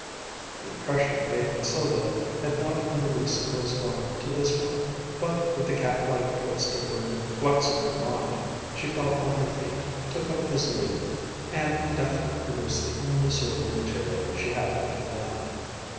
The impression made on Sylvia had not in the least corresponded to this one; but with a cat like twist of her flexible mind, she fell on her feet, took up his lead, and deftly produced the only suitable material she had at command.